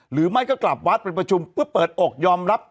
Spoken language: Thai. หรือไม่ก็กลับวัดเป็นประชุม